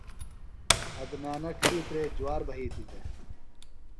عدنانہ ڇِھیترے جُوار بھئیتیۡ دےۡ۔